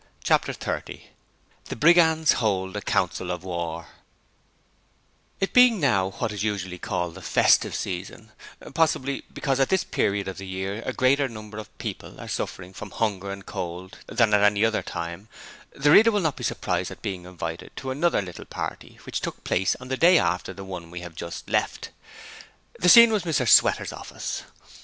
Chapter 30 The Brigands hold a Council of War It being now what is usually called the festive season possibly because at this period of the year a greater number of people are suffering from hunger and cold than at any other time the reader will not be surprised at being invited to another little party which took place on the day after the one we have just left. The scene was Mr Sweater's office.